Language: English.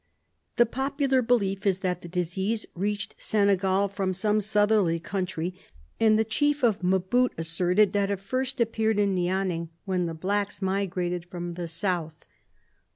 The popular belief is that the disease reached Senegal from some southerly country, and the chief of M'Bout asserted that it first appeared in Nianing when the blacks migrated from the South.